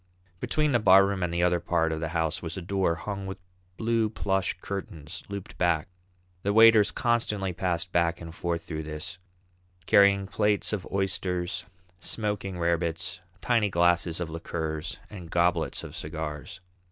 Between the barroom and the other part of the house was a door hung with blue plush curtains, looped back; the waiters constantly passed back and forth through this, carrying plates of oysters, smoking rarebits, tiny glasses of liqueurs, and goblets of cigars.